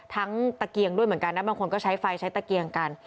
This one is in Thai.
ตะเกียงด้วยเหมือนกันนะบางคนก็ใช้ไฟใช้ตะเกียงกัน